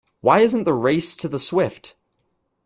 Why isn't the race to the swift?